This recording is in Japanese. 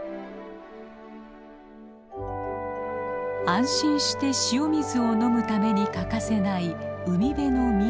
安心して塩水を飲むために欠かせない海辺の緑。